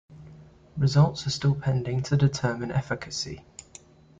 Results still pending to determine efficacy.